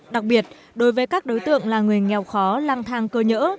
đặc biệt đối với các đối tượng là người nghèo khó lang thang cơ nhỡ